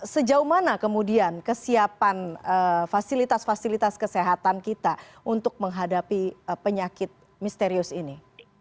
sejauh mana kemudian kesiapan fasilitas fasilitas kesehatan kita untuk menghadapi penyakit misterius ini